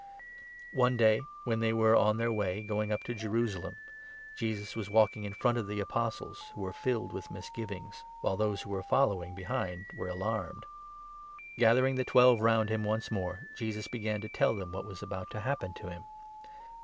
Jesus > wnen thev were on their way, going up 32 a third time, to Jerusalem, Jesus was walking in front of the foretells Apostles, who were filled with misgivings ; while >eath" those who were following behind were alarmed. Gathering the Twelve round him once more, Jesus began to tell them what was about to happen to him.